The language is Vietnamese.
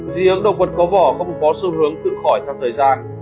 dị ứng động vật có vỏ không có xu hướng tự khỏi theo thời gian